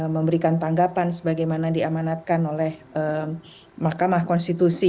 memberikan tanggapan sebagaimana diamanatkan oleh mahkamah konstitusi